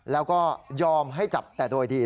แล้วก็ยอมให้จับแต่โดยดี